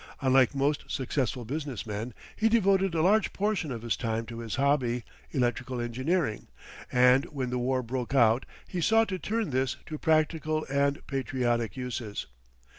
Unlike most successful business men, he devoted a large portion of his time to his hobby, electrical engineering, and when the war broke out he sought to turn this to practical and patriotic uses.